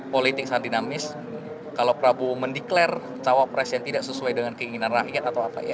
politik sangat dinamis kalau prabowo mendeklarasi capres yang tidak sesuai dengan keinginan rakyat